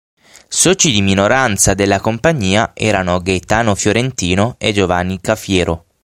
Soci di minoranza della compagnia erano Gaetano Fiorentino e Giovanni Cafiero.